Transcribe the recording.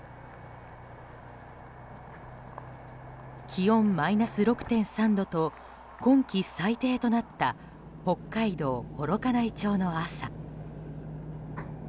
気温マイナス６．３度と今季最低となった北海道幌加内町の朝。